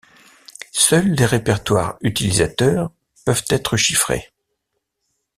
Seuls les répertoires utilisateurs peuvent être chiffrés.